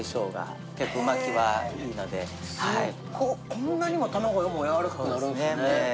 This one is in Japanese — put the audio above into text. こんなにも卵もやわらかくなるんですね。